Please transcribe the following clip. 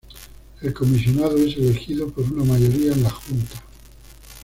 El comisionado es elegido por una mayoría en la Junta.